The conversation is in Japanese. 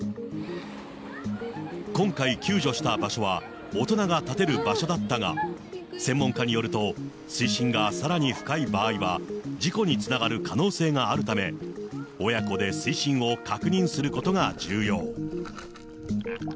今回、救助した場所は、大人が立てる場所だったが、専門家によると、水深がさらに深い場合は、事故につながる可能性があるため、親子で水深を確認することが重要。